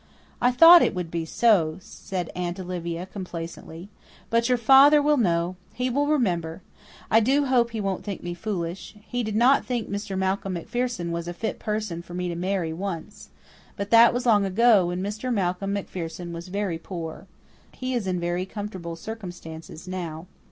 "I thought it would be so," said Aunt Olivia complacently. "But your father will know he will remember. I do hope he won't think me foolish. He did not think Mr. Malcolm MacPherson was a fit person for me to marry once. But that was long ago, when Mr. Malcolm MacPherson was very poor. He is in very comfortable circumstances now."